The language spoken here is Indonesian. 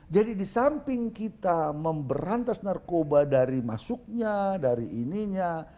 jadi di samping kita memberantas narkoba dari masuknya dari ininya